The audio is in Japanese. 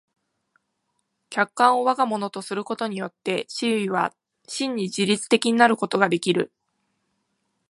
客観を我が物とすることによって思惟は真に自律的になることができる。